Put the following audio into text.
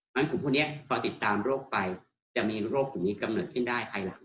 มันคือพวกนี้พอติดตามโรคไปจะมีโรคตรงนี้กำเนิดขึ้นได้ภายหลัง